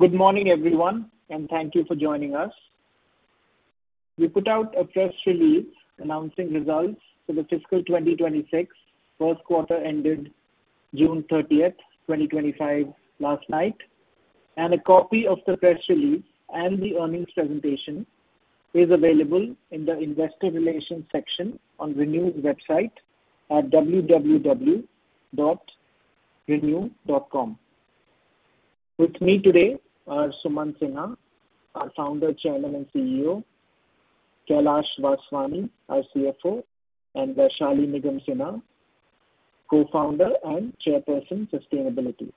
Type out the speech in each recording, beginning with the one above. Good morning, everyone, and thank you for joining us. We put out a press release announcing results for the fiscal 2026 first quarter ended June 30, 2025, last night. A copy of the press release and the earnings presentation is available in the Investor Relations section on ReNew's website at www.renew.com. With me today are Sumant Sinha, our Founder, Chairman, and CEO; Kailash Vaswani, our CFO; and Vaishali Nigam Sinha, Co-Founder and Chairperson of Sustainability.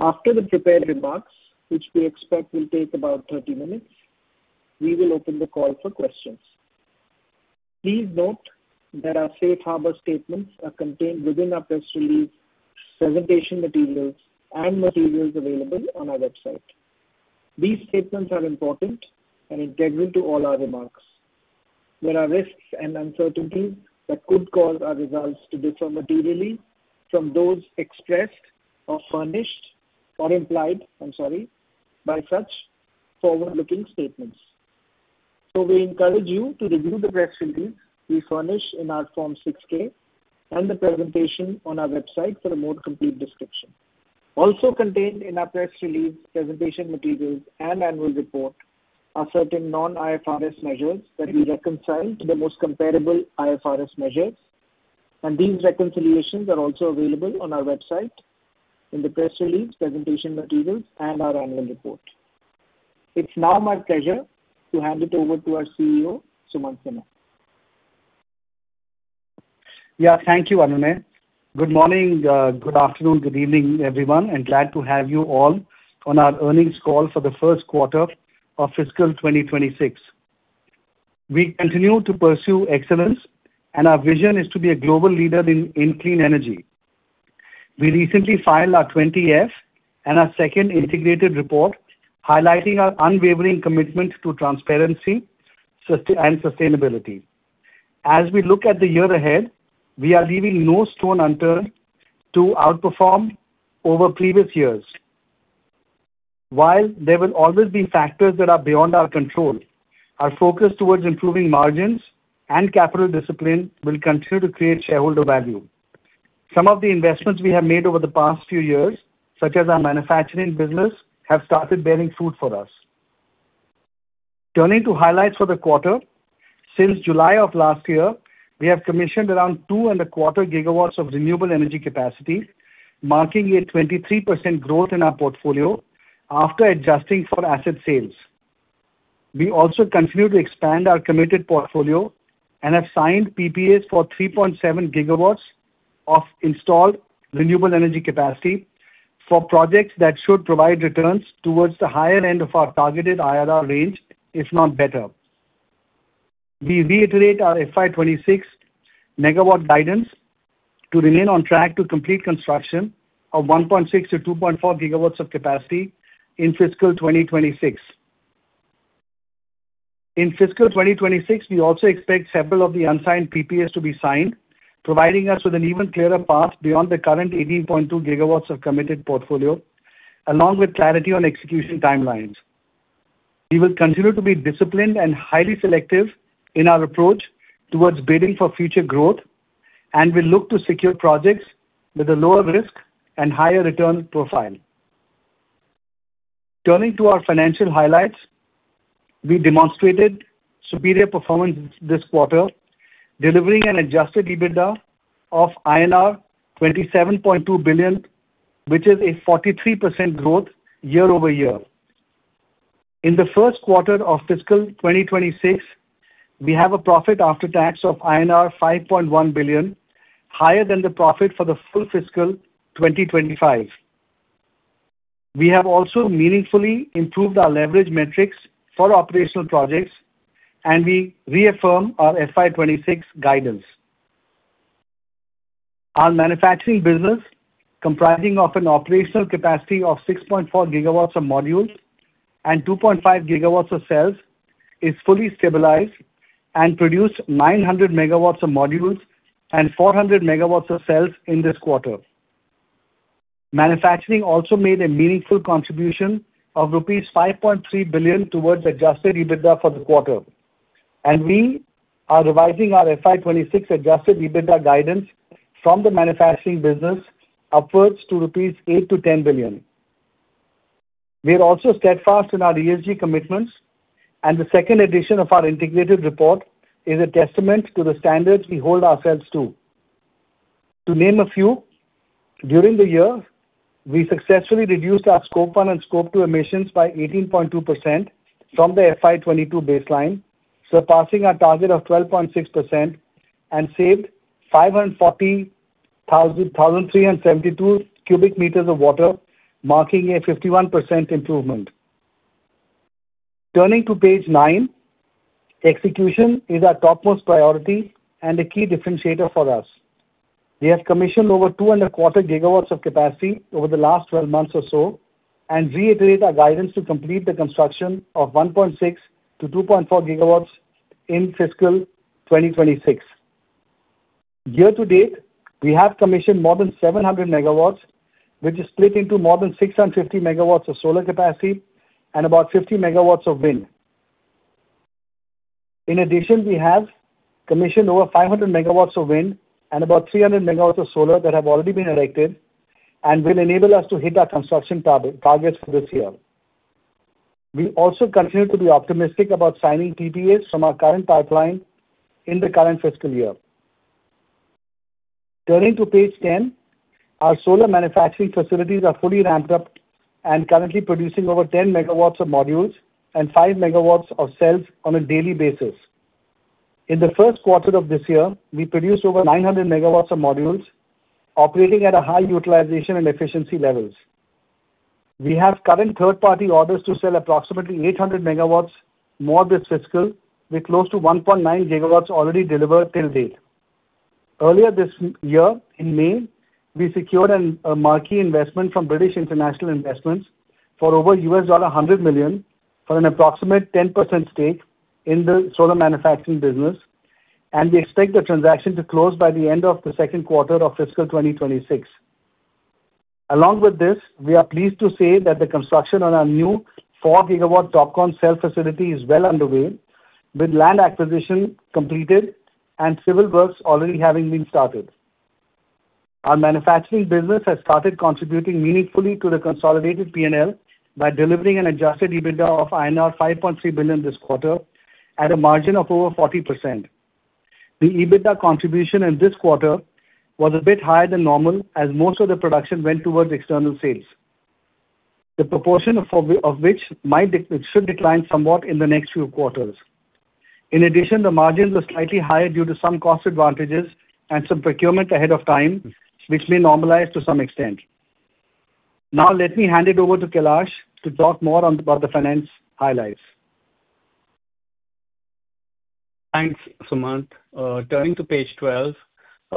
After the prepared remarks, which we expect will take about 30 minutes, we will open the call for questions. Please note that our safe harbor statements are contained within our press release, presentation materials, and materials available on our website. These statements are important and integral to all our remarks. There are risks and uncertainties that could cause our results to differ materially from those expressed, furnished, or implied by such forward-looking statements. We encourage you to review the press release we furnish in our Form 6K and the presentation on our website for a more complete description. Also contained in our press release, presentation materials, and annual report are certain non-IFRS measures that we reconcile to the most comparable IFRS measures. These reconciliations are also available on our website in the press release, presentation materials, and our annual report. It's now my pleasure to hand it over to our CEO, Sumant Sinha. Yeah, thank you, Anunay. Good morning, good afternoon, good evening, everyone, and glad to have you all on our Earnings Call for the First quarter of Fiscal 2026. We continue to pursue excellence, and our vision is to be a global leader in clean energy. We recently filed our 20F and our second integrated report, highlighting our unwavering commitment to transparency and sustainability. As we look at the year ahead, we are leaving no stone unturned to outperform over previous years. While there will always be factors that are beyond our control, our focus towards improving margins and capital discipline will continue to create shareholder value. Some of the investments we have made over the past few years, such as our manufacturing business, have started bearing fruit for us. Turning to highlights for the quarter, since July of last year, we have commissioned around 2.25 GW of renewable energy capacity, marking a 23% growth in our portfolio after adjusting for asset sales. We also continue to expand our committed portfolio and have signed PPAs for 3.7 GW of installed renewable energy capacity for projects that should provide returns towards the higher end of our targeted IRR range, if not better. We reiterate our fiscal 2026 megawatt guidance to remain on track to complete construction of 1.6 GW-2.4 GW of capacity in fiscal 2026. In fiscal 2026, we also expect several of the unsigned PPAs to be signed, providing us with an even clearer path beyond the current 18.2 GW of committed portfolio, along with clarity on execution timelines. We will continue to be disciplined and highly selective in our approach towards bidding for future growth and will look to secure projects with a lower risk and higher return profile. Turning to our financial highlights, we demonstrated superior performance this quarter, delivering an adjusted EBITDA of INR 27.2 billion, which is a 43% growth year-over-year. In the first quarter of fiscal 2026, we have a profit after tax of INR 5.1 billion, higher than the profit for the full fiscal 2025. We have also meaningfully improved our leverage metrics for operational projects, and we reaffirm our fiscal 2026 guidance. Our manufacturing business, comprising of an operational capacity of 6.4 GW of modules and 2.5 GW of cells, is fully stabilized and produced 900 MW of modules and 400 MW of cells in this quarter. Manufacturing also made a meaningful contribution of rupees 5.3 billion towards adjusted EBITDA for the quarter, and we are revising our fiscal 2026 adjusted EBITDA guidance from the manufacturing business upwards to 8 billion-10 billion rupees. We're also steadfast in our ESG commitments, and the second edition of our integrated report is a testament to the standards we hold ourselves to. To name a few, during the year, we successfully reduced our scope 1 and 2 emissions by 18.2% from the fiscal 2022 baseline, surpassing our target of 12.6%, and saved 514,372 cubic meters of water, marking a 51% improvement. Turning to page nine, execution is our topmost priority and a key differentiator for us. We have commissioned over two and a quarter gigawatts of capacity over the last 12 months or so, and reiterate our guidance to complete the construction of 1.6 GW-2.4 GW in fiscal 2026. Year to date, we have commissioned more than 700 MW, which is split into more than 650 MW of solar capacity and about 50 MW of wind. In addition, we have commissioned over 500 MW of wind and about 300 MW of solar that have already been erected and will enable us to hit our construction targets for this year. We also continue to be optimistic about signing PPAs from our current pipeline in the current fiscal year. Turning to page 10, our solar manufacturing facilities are fully ramped up and currently producing over 10 MW of modules and 5 MW of cells on a daily basis. In the first quarter of this year, we produced over 900 MW of modules, operating at high utilization and efficiency levels. We have current third-party orders to sell approximately 800 MW more this fiscal, with close to 1.9 GW already delivered till date. Earlier this year, in May, we secured a marquee investment from British International Investments for over $100 million for an approximate 10% stake in the solar manufacturing business, and we expect the transaction to close by the end of the second quarter of fiscal 2026. Along with this, we are pleased to say that the construction on our new 4 GW TOPCon cell facility is well underway, with land acquisition completed and civil works already having been started. Our manufacturing business has started contributing meaningfully to the consolidated P&L by delivering an adjusted EBITDA of INR 5.3 billion this quarter at a margin of over 40%. The EBITDA contribution in this quarter was a bit higher than normal, as most of the production went towards external sales, the proportion of which might decline somewhat in the next few quarters. In addition, the margins were slightly higher due to some cost advantages and some procurement ahead of time, which may normalize to some extent. Now, let me hand it over to Kailash to talk more about the finance highlights. Thanks, Sumant. Turning to page 12,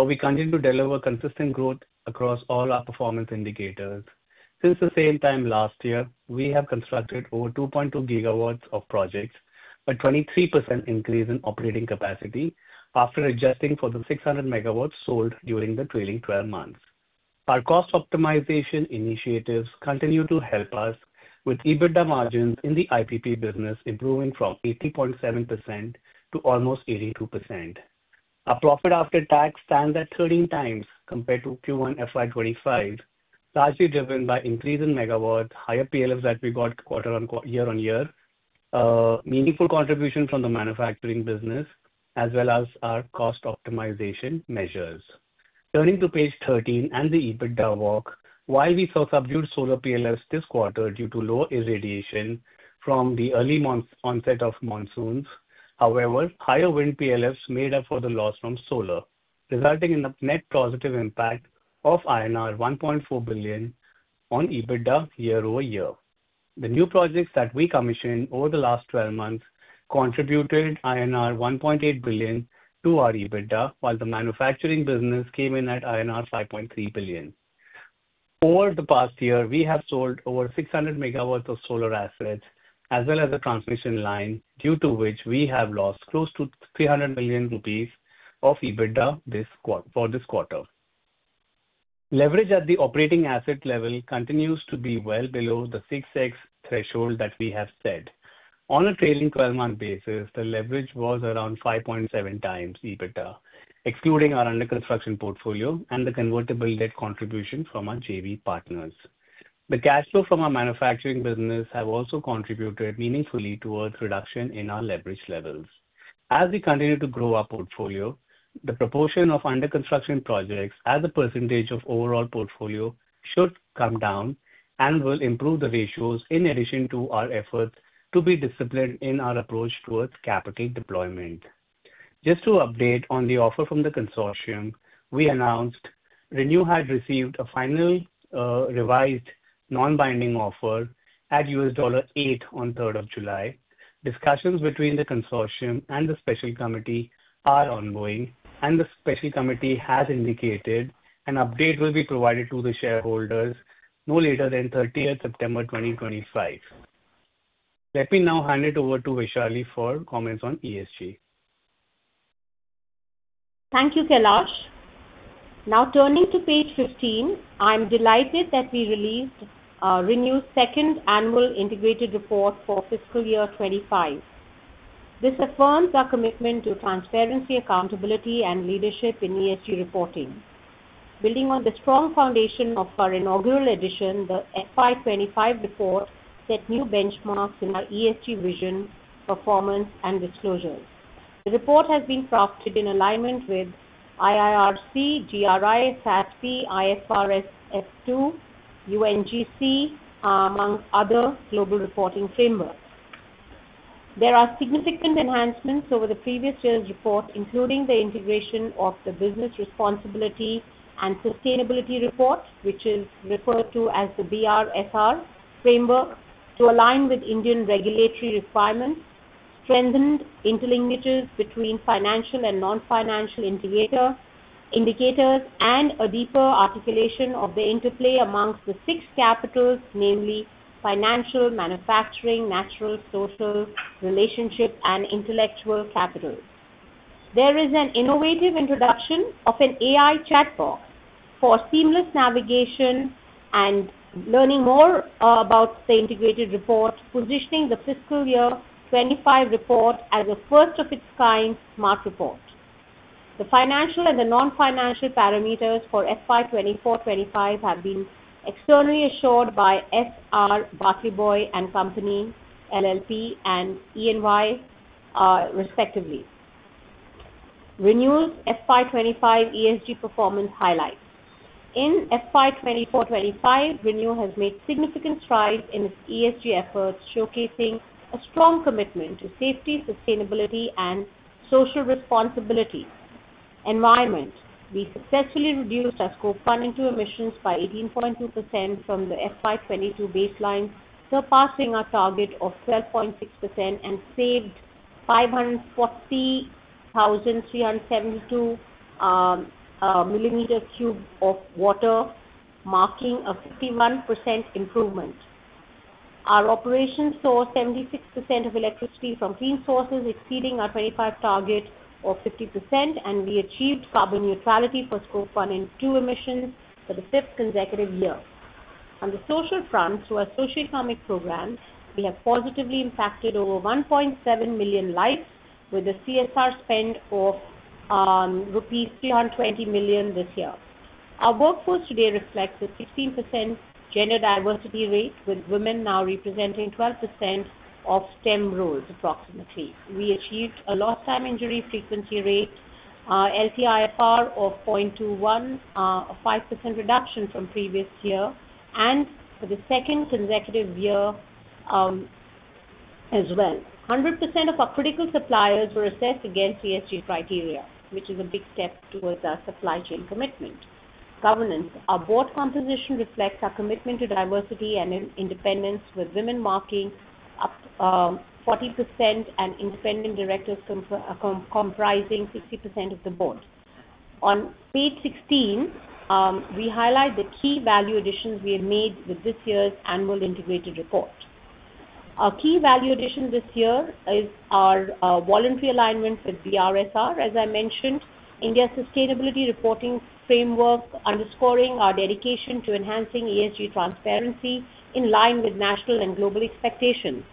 we continue to deliver consistent growth across all our performance indicators. Since the same time last year, we have constructed over 2.2 GW of projects, a 23% increase in operating capacity after adjusting for the 600 MW sold during the trailing 12 months. Our cost optimization initiatives continue to help us, with EBITDA margins in the IPP business improving from 80.7% to almost 82%. Our profit after tax stands at 13 times compared to Q1 FY 2025, largely driven by increase in megawatts, higher PLFs that we got quarter on year on year, meaningful contribution from the manufacturing business, as well as our cost optimization measures. Turning to page 13 and the EBITDA work, we saw subdued solar PLFs this quarter due to low irradiation from the early onset of monsoons. However, higher wind PLFs made up for the loss from solar, resulting in a net positive impact of INR 1.4 billion on EBITDA year-over-year. The new projects that we commissioned over the last 12 months contributed INR 1.8 billion to our EBITDA, while the manufacturing business came in at INR 5.3 billion. Over the past year, we have sold over 600 MW of solar assets, as well as a transmission line, due to which we have lost close to 300 million rupees of EBITDA for this quarter. Leverage at the operating asset level continues to be well below the 6x threshold that we have set. On a trailing 12-month basis, the leverage was around 5.7x EBITDA, excluding our under-construction portfolio and the convertible debt contribution from our JV partners. The cash flow from our manufacturing business has also contributed meaningfully towards reduction in our leverage levels. As we continue to grow our portfolio, the proportion of under-construction projects as a percentage of overall portfolio should come down and will improve the ratios in addition to our efforts to be disciplined in our approach towards capital deployment. Just to update on the offer from the consortium, we announced ReNew had received a final revised non-binding offer at $8 on 3rd of July. Discussions between the consortium and the special committee are ongoing, and the special committee has indicated an update will be provided to the shareholders no later than 30th September 2025. Let me now hand it over to Vaishali for comments on ESG. Thank you, Kailash. Now turning to page 15, I'm delighted that we released ReNew's second annual integrated report for fiscal year 2025. This affirms our commitment to transparency, accountability, and leadership in ESG reporting. Building on the strong foundation of our inaugural edition, the FY 2025 report set new benchmarks in our ESG vision, performance, and disclosure. The report has been crafted in alignment with IIRC, GRI, SATC, IFRS F2, UNGC, among other global reporting frameworks. There are significant enhancements over the previous year's report, including the integration of the Business Responsibility and Sustainability Report, which is referred to as the BRSR framework, to align with Indian regulatory requirements, strengthened interlinkages between financial and non-financial indicators, and a deeper articulation of the interplay amongst the six capitals, namely financial, manufacturing, natural, social, relationship, and intellectual capital. There is an innovative introduction of an AI chatbot for seamless navigation and learning more about the integrated report, positioning the fiscal year 2025 report as a first-of-its-kind smart report. The financial and the non-financial parameters for FY 2024-FY 2025 have been externally assured by S.R. Bartleby & Company LLP and E&Y, respectively. ReNew's FY 2025 ESG performance highlights. In FY 2024-FY 2025, ReNew has made significant strides in its ESG efforts, showcasing a strong commitment to safety, sustainability, and social responsibility. Environment, we successfully reduced our scope 1 and 2 emissions by 18.2% from the FY 2022 baseline, surpassing our target of 12.6%, and saved 540,372 cubic meters of water, marking a 51% improvement. Our operations saw 76% of electricity from clean sources, exceeding our 2025 target of 50%, and we achieved carbon neutrality for scope 1 and 2 emissions for the fifth consecutive year. On the social front, through our socioeconomic programs, we have positively impacted over 1.7 million lives, with a CSR spend of rupees 320 million this year. Our workforce today reflects a 16% gender diversity rate, with women now representing approximately 12% of STEM roles. We achieved a lost time injury frequency rate, LTIFR, of 0.21, a 5% reduction from previous year, and for the second consecutive year as well. 100% of our critical suppliers were assessed against ESG criteria, which is a big step towards our supply chain commitment. Governance, our board composition reflects our commitment to diversity and independence, with women making up 40% and independent directors comprising 60% of the board. On page 16, we highlight the key value additions we have made with this year's annual integrated report. Our key value addition this year is our voluntary alignment with BRSR, as I mentioned, India's sustainability reporting framework, underscoring our dedication to enhancing ESG transparency in line with national and global expectations.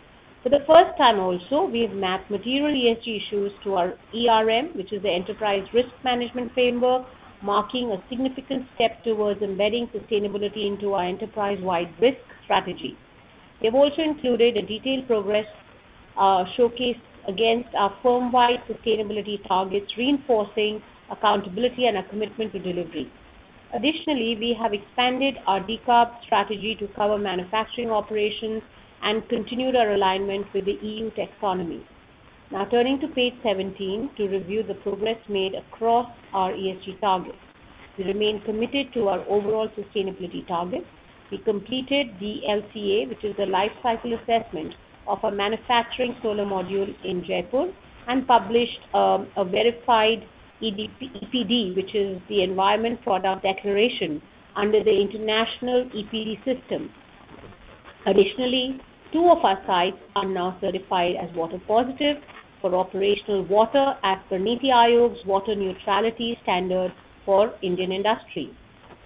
For the first time also, we have mapped material ESG issues to our ERM, which is Enterprise Risk Management Framework, marking a significant step towards embedding sustainability into our enterprise-wide risk strategy. We have also included a detailed progress showcase against our firm-wide sustainability targets, reinforcing accountability and our commitment to delivery. Additionally, we have expanded our DECOB strategy to cover manufacturing operations and continued our alignment with the EU taxonomy. Now, turning to page 17, we review the progress made across our ESG targets. We remain committed to our overall sustainability target. We completed the LCA, which is the life cycle assessment of a manufacturing solar module in Jaipur, and published a verified EPD, which is the Environmental Product Declaration under the International EPD system. Additionally, two of our sites are now certified as water positive for operational water at NITI Aayog's water neutrality standard for Indian industry.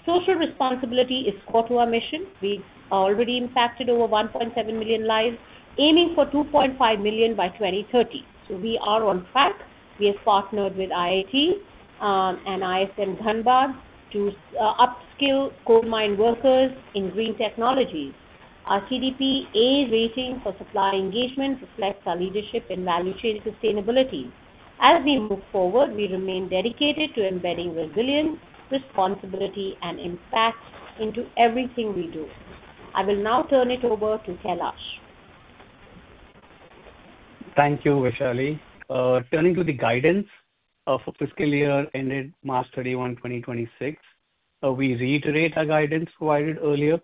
Social responsibility is core to our mission. We have already impacted over 1.7 million lives, aiming for 2.5 million by 2030. We are on track. We have partnered with IIT and ISM Dhanbad to upskill coal mine workers in green technology. Our CDPA rating for supply engagement reflects our leadership in value chain sustainability. As we move forward, we remain dedicated to embedding resilience, responsibility, and impact into everything we do. I will now turn it over to Kailash. Thank you, Vaishali. Turning to the guidance for the fiscal year ended March 31, 2026, we reiterate our guidance provided earlier.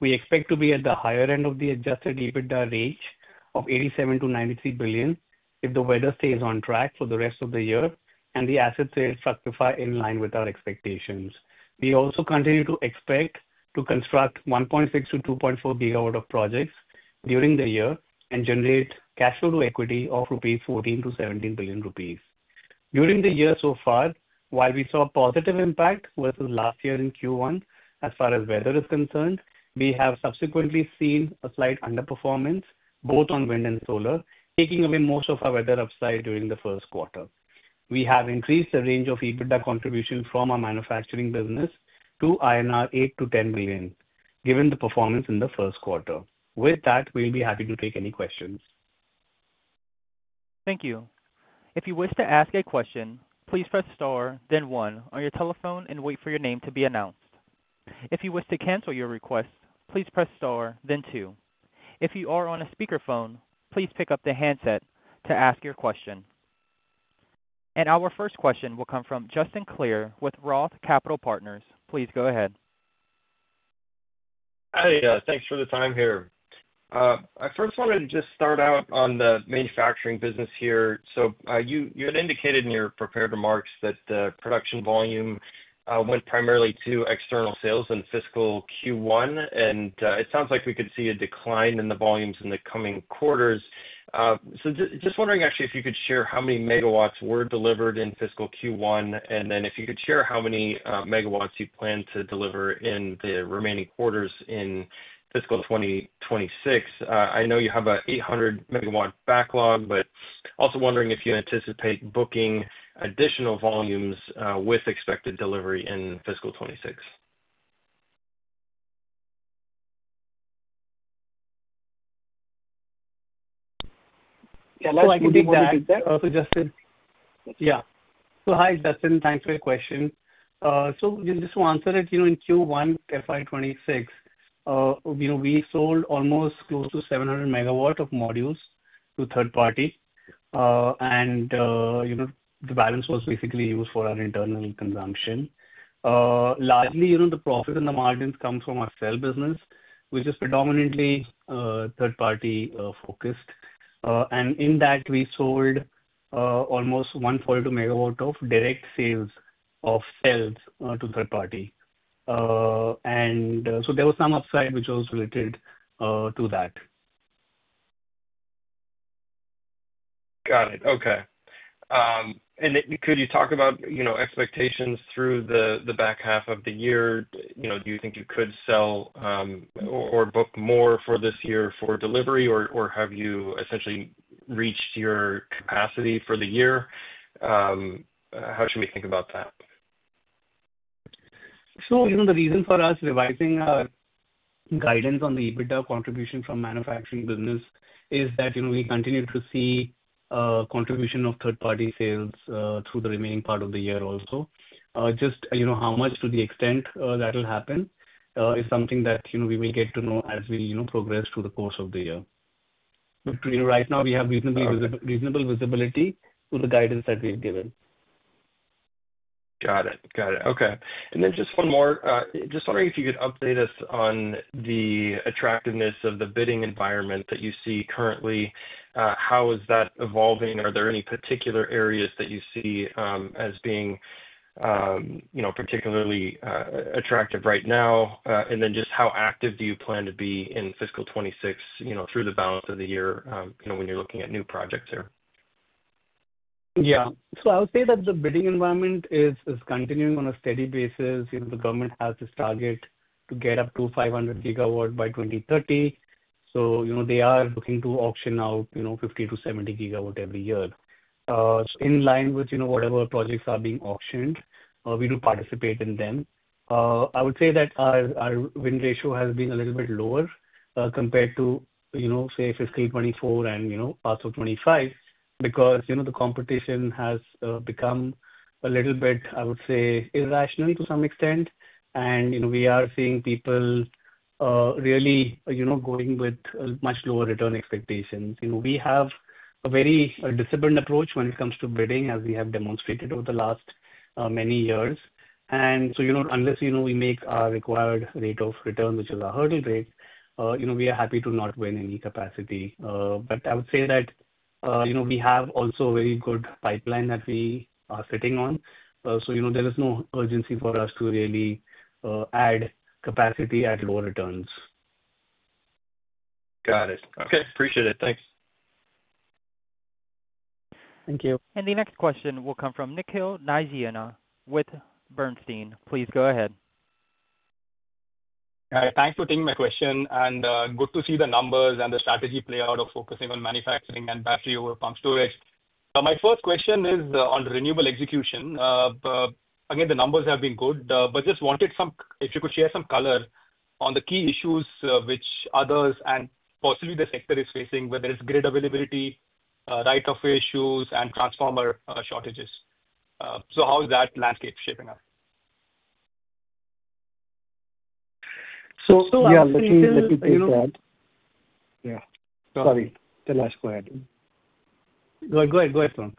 We expect to be at the higher end of the adjusted EBITDA range of 87 billion-93 billion if the weather stays on track for the rest of the year and the asset sales sacrifice in line with our expectations. We also continue to expect to construct 1.6 GW-2.4 GW of projects during the year and generate cash flow to equity of 14 billion-17 billion rupees. During the year so far, while we saw a positive impact versus last year in Q1, as far as weather is concerned, we have subsequently seen a slight underperformance both on wind and solar, taking away most of our weather upside during the first quarter. We have increased the range of EBITDA contribution from our manufacturing business to 8 billion-10 billion INR, given the performance in the first quarter. With that, we'll be happy to take any questions. Thank you. If you wish to ask a question, please press star, then one on your telephone and wait for your name to be announced. If you wish to cancel your request, please press star, then two. If you are on a speakerphone, please pick up the handset to ask your question. Our first question will come from Justin Clare with ROTH Capital Partners. Please go ahead. Yeah, thanks for the time here. I first wanted to just start out on the manufacturing business here. You had indicated in your prepared remarks that the production volume went primarily to external sales in fiscal Q1, and it sounds like we could see a decline in the volumes in the coming quarters. I am just wondering if you could share how many megawatts were delivered in fiscal Q1, and if you could share how many megawatts you plan to deliver in the remaining quarters in fiscal 2026. I know you have an 800 MW backlog, but I am also wondering if you anticipate booking additional volumes with expected delivery in fiscal 2026. Yeah, I'd like to take that. Yeah. Hi, Justin. Thanks for your question. Just to answer it, in Q1 fiscal 2026, we sold almost close to 700 MW of modules to third parties, and the balance was basically used for our internal consumption. Largely, the profit and the margins come from our cell business, which is predominantly third-party focused. In that, we sold almost 142 MW of direct sales of cells to third party. There was some upside, which was related to that. Got it. Okay. Could you talk about expectations through the back half of the year? Do you think you could sell or book more for this year for delivery, or have you essentially reached your capacity for the year? How should we think about that? The reason for us revising our guidance on the EBITDA contribution from manufacturing business is that we continue to see a contribution of third-party sales through the remaining part of the year also. How much to the extent that'll happen is something that we will get to know as we progress through the course of the year. Right now, we have reasonable visibility to the guidance that we've given. Got it. Okay. Just wondering if you could update us on the attractiveness of the bidding environment that you see currently. How is that evolving? Are there any particular areas that you see as being particularly attractive right now? Just how active do you plan to be in fiscal 2026 through the balance of the year when you're looking at new projects here? Yeah. I would say that the bidding environment is continuing on a steady basis. The government has this target to get up to 500 GW by 2030. They are looking to auction out 50 GW-70 GW every year. In line with whatever projects are being auctioned, we do participate in them. I would say that our win ratio has been a little bit lower compared to, say, fiscal 2024 and also 2025 because the competition has become a little bit, I would say, irrational to some extent. We are seeing people really going with much lower return expectations. We have a very disciplined approach when it comes to bidding, as we have demonstrated over the last many years. Unless we make our required rate of return, which is our hurdle rate, we are happy to not win any capacity. I would say that we have also a very good pipeline that we are sitting on, so there is no urgency for us to really add capacity at lower returns. Got it. Okay. Appreciate it. Thanks. Thank you. The next question will come from Nikhil Nigania with Bernstein. Please go ahead. Thanks for taking my question. Good to see the numbers and the strategy play out of focusing on manufacturing and battery over pump storage. My first question is on renewable execution. The numbers have been good, but just wanted some, if you could share some color on the key issues which others and possibly the sector is facing, whether it's grid availability, right-of-way issues, and transformer shortages. How is that landscape shaping up? Let me take that. Sorry. Kailash, go ahead. Go ahead, Sumant.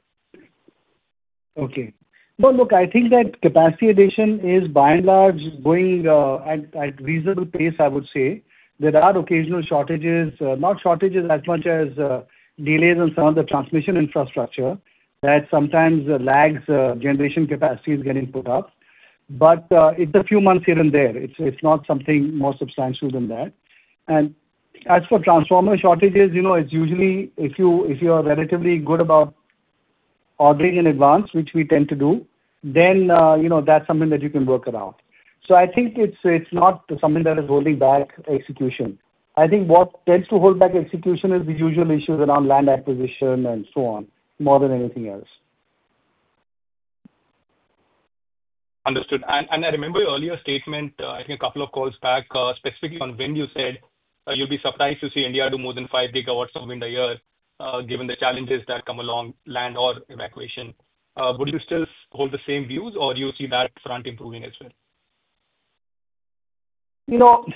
Okay. No, look, I think that capacity addition is by and large going at a reasonable pace, I would say. There are occasional shortages, not shortages as much as delays on some of the transmission infrastructure that sometimes lags generation capacity is getting put up. It's a few months here and there. It's not something more substantial than that. As for transformer shortages, you know, it's usually if you are relatively good about ordering in advance, which we tend to do, then, you know, that's something that you can work around. I think it's not something that is holding back execution. I think what tends to hold back execution is these usual issues around land acquisition and so on, more than anything else. Understood. I remember your earlier statement, I think a couple of calls back, specifically on wind, you said you'd be surprised to see India do more than 5 GW of wind a year, given the challenges that come along land or evacuation. Would you still hold the same views, or do you see that front improving as well?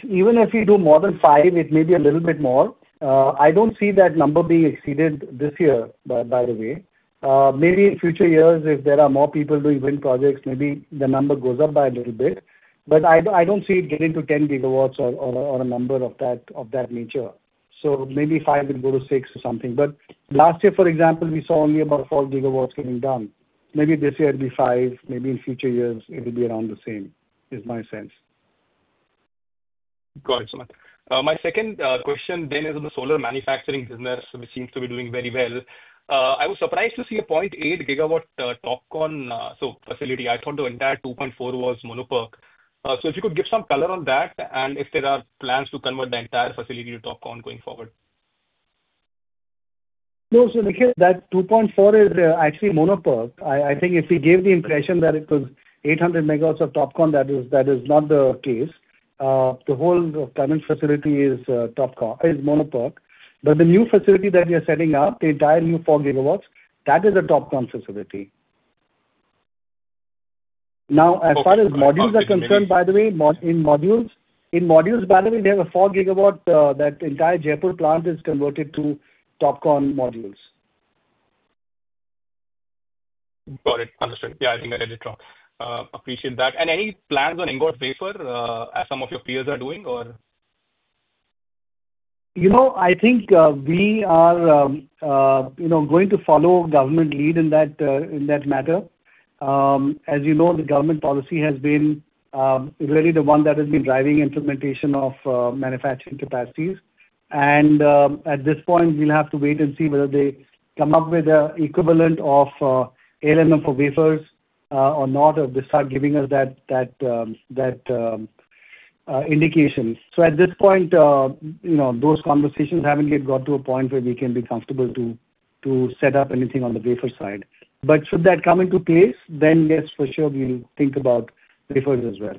Even if you do more than 5 GW, it may be a little bit more. I don't see that number being exceeded this year, by the way. Maybe in future years, if there are more people doing wind projects, the number goes up by a little bit. I don't see it getting to 10 GW or a number of that nature. Maybe 5 GW would go to 6 GW or something. Last year, for example, we saw only about 4 GW going down. Maybe this year it'll be 5 GW. Maybe in future years, it'll be around the same is my sense. Got it. My second question then is in the solar manufacturing business, which seems to be doing very well. I was surprised to see a 0.8 GW TOPCon cell facility. I thought the entire 2.4 was mono PERC. If you could give some color on that and if there are plans to convert the entire facility to TOPCon going forward. No, so Nikhil, that 2.4 is actually mono PERC. I think if we gave the impression that it was 800 MW of TOPCon, that is not the case. The whole current facility is mono PERC. The new facility that we are setting up, the entire new 4 MW, that is a TOPCon facility. Now, as far as modules are concerned, by the way, in modules, by the way, there's a 4 GW. That entire Jaipur plant is converted to TOPCon modules. Got it. Understood. I think I did it wrong. Appreciate that. Any plans on ingress vapor as some of your peers are doing, or? I think we are going to follow government lead in that matter. As you know, the government policy has been really the one that has been driving implementation of manufacturing capacities. At this point, we'll have to wait and see whether they come up with an equivalent of LMM for vapors or not, or they start giving us that indication. At this point, those conversations haven't yet got to a point where we can be comfortable to set up anything on the vapor side. Should that come into place, then yes, for sure, we'll think about vapors as well.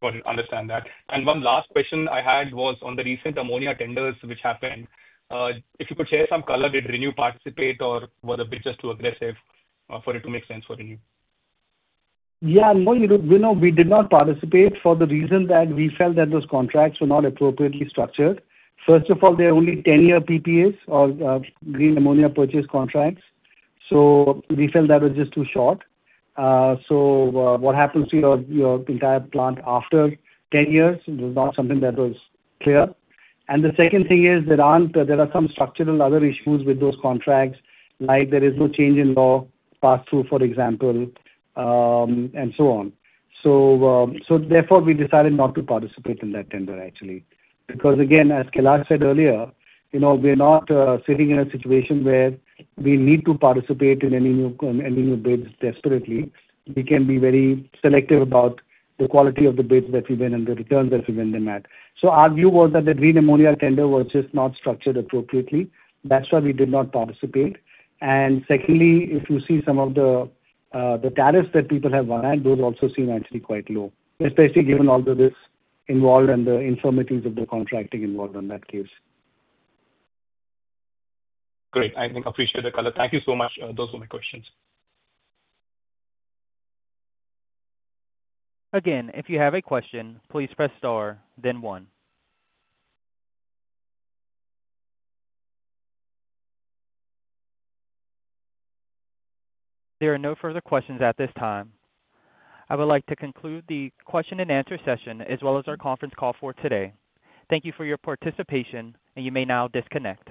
Got it. I understand that. One last question I had was on the recent ammonia tenders which happened. If you could share some color, did ReNew participate or were the bids just too aggressive for it to make sense for ReNew? Yeah, you know, we did not participate for the reason that we felt that those contracts were not appropriately structured. First of all, they are only 10-year PPAs or green ammonia purchase contracts. We felt that was just too short. What happens to your entire plant after 10 years? It was not something that was clear. The second thing is there are some structural other issues with those contracts, like there is no change in law pass-through, for example, and so on. Therefore, we decided not to participate in that tender, actually, because again, as Kailash said earlier, you know, we're not sitting in a situation where we need to participate in any new bids desperately. We can be very selective about the quality of the bids that we win and the returns that we win them at. Our view was that the green ammonia tender was just not structured appropriately. That's why we did not participate. Secondly, if you see some of the tariffs that people have wanted, those also seem actually quite low, especially given all the risks involved and the informalities of the contracting involved in that case. Great. I think I appreciate the color. Thank you so much. Those were my questions. Again, if you have a question, please press star, then one. There are no further questions at this time. I would like to conclude the question and answer session as well as our conference call for today. Thank you for your participation, and you may now disconnect.